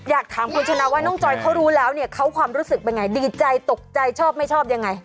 อยากถามคุณชนะว่าน้องจอยเขารู้แล้วเนี่ยเขาความรู้สึกเป็นไงดีใจตกใจชอบไม่ชอบยังไง